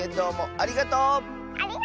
ありがとう！